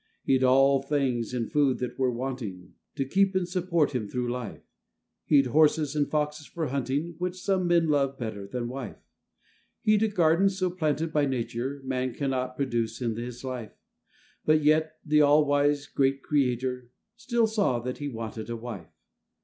He'd all things in food that were wanting To keep and support him through life; He'd horses and foxes for hunting, Which some men love better than wife. He'd a garden so planted by nature, Man cannot produce in his life; But yet the all wise great Creator Still saw that he wanted a wife.